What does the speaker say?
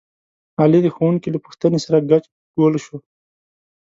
علي د ښوونکي له پوښتنې سره ګچ ګول شو.